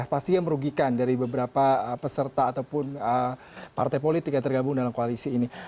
pastinya merugikan dari beberapa peserta ataupun partai politik yang tergabung dalam koalisi ini